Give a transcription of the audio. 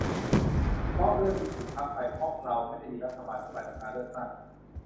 เพราะเรื่องนี้ถูกพักไปเพราะเราไม่ได้มีรัฐบาลที่มาจากการเลือกตั้ง